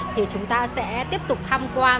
thì chúng ta sẽ tiếp tục thăm các nhà khảo của học